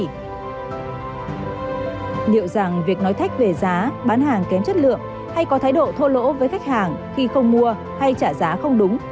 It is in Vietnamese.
liệu rằng việc nói thách về giá bán hàng kém chất lượng hay có thái độ thô lỗ với khách hàng khi không mua hay trả giá không đúng